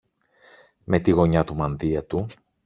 Με τη γωνιά του μανδύα του